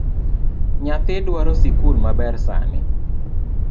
Nyathi dwaro sikul maber sani